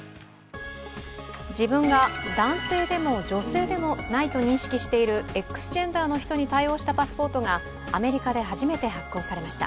自分が男性でも女性でもないと認識しているＸジェンダーの人に対応したパスポートがアメリカで初めて発行されました。